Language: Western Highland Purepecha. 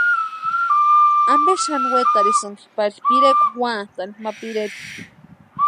¿Ampe xani wetarhisïnki pari pirekwa úantani ma pireri?